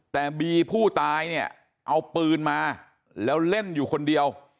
แต่บีผู้ตายเนี่ยเอาปืนมาแล้วเล่นอยู่คนเดียว